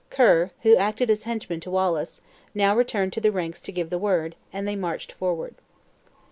Ker, who acted as henchman to Wallace, now returned to the ranks to give the word, and they marched forward.